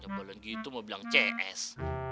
kalau gitu mau bilang cs